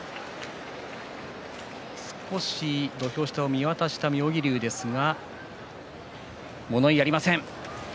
少し土俵下を見渡した妙義龍ですが物言いはありません。